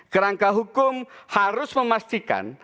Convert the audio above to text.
kerangka hukum harus memastikan